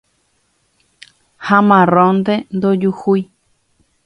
Ha márõnte ndojuhúi.